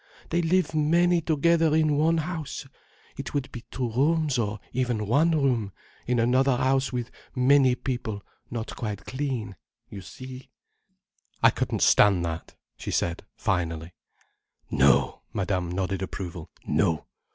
They live many together in one house. It would be two rooms, or even one room, in another house with many people not quite clean, you see—" Alvina shook her head. "I couldn't stand that," she said finally. "No!" Madame nodded approval. "No!